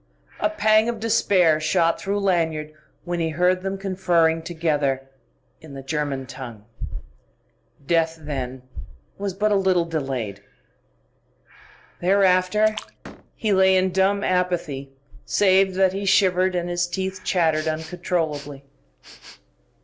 A pang of despair shot through Lanyard when he heard them conferring together in the German tongue. Death, then, was but a little delayed. Thereafter he lay in dumb apathy, save that he shivered and his teeth chattered uncontrollably.